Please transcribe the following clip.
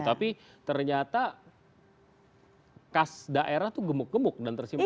tapi ternyata kas daerah itu gemuk gemuk dan tersimpan